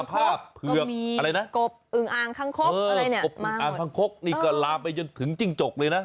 กบอึโอนขั้งครบกละลับไปจนถึงจิ่งจกเลยนะ